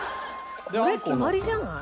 これ決まりじゃない？